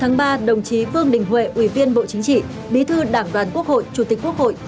chiều ngày hai mươi bốn tháng ba đồng chí vương đình huệ ủy viên bộ chính trị bí thư đảng đoàn quốc hội chủ tịch quốc hội